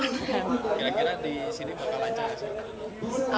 kira kira disini bakal lancar ya